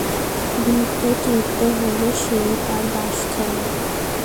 বৃদ্ধ তৃপ্ত হলে সে ও তার দাস খেল।